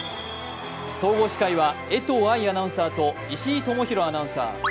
総合司会は江藤愛アナウンサーと石井大裕アナウンサー。